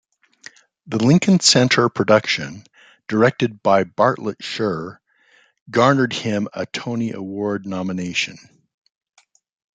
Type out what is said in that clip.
The Lincoln Center production, directed by Bartlett Sher, garnered him a Tony Award nomination.